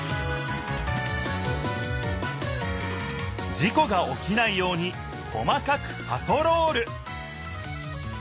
事故がおきないように細かくパトロール！